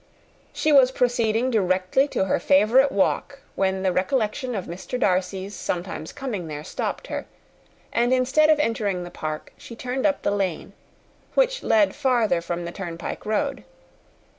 She was proceeding directly to her favourite walk, when the recollection of Mr. Darcy's sometimes coming there stopped her, and instead of entering the park, she turned up the lane which led her farther from the turnpike road.